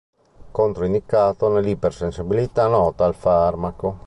Controindicato nell'ipersensibilità nota al farmaco.